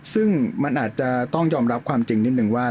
ซึ่งมันอาจจะต้องยอมรับความจริงนิดนึงว่า